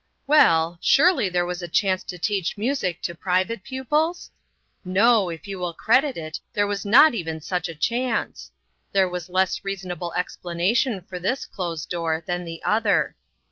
WELL, surely there was a chance to teach music to private pupils ? No, if you will credit it, there was not even such a chance ! There was less reasonable explana tion for this closed door than the other.